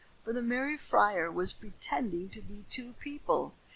For the merry friar was pretending to be two people.